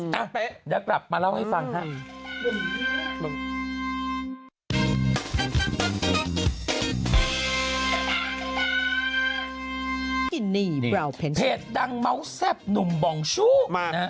เดี๋ยวกลับมาเล่าให้ฟังฮะ